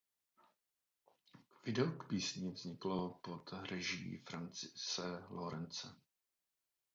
Video k písni vzniklo pod režií Francise Lawrence.